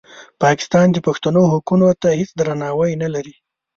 پاکستان د پښتنو حقوقو ته هېڅ درناوی نه لري.